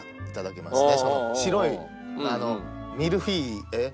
白いミルフィーユえっ？